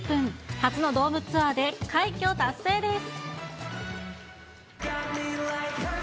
初のドームツアーで快挙達成です。